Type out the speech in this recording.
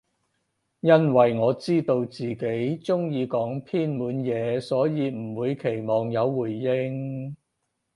因爲我知道自己中意講偏門嘢，所以唔會期望有回應